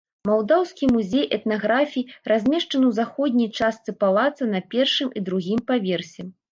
Малдаўскі музей этнаграфіі размешчаны ў заходняй частцы палаца, на першым і другім паверсе.